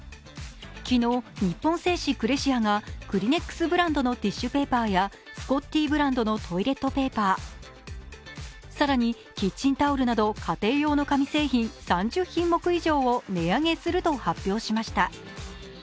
昨日、日本製紙クレシアがクリネックスブランドのティッシュペーパーやスコッティブランドのトイレットペーパー更にキッチンタオルなど家庭用の紙製品３０品以上を値上げすると発表しました。